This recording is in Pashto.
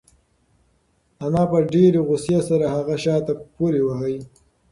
انا په ډېرې غوسې سره هغه شاته پورې واهه.